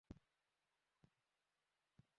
রোগ থেকে মুক্তি দেননি।